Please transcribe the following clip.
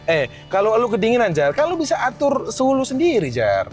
eh kalau lu kedinginan jar kan lo bisa atur suhu lu sendiri jar